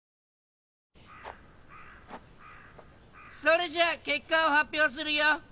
それじゃあ結果を発表するよ。